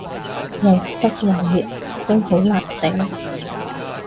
又濕又熱都好難頂